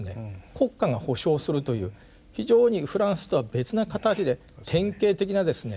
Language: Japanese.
国家が保障するという非常にフランスとは別な形で典型的なですね